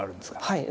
はい。